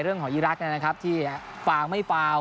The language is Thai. เรื่องของอิรักษณ์เนี่ยนะครับที่ฟางไม่ฟาว